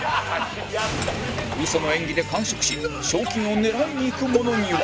ウソの演技で完食し賞金を狙いにいく者には